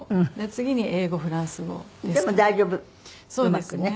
次に英語フランス語ですかね。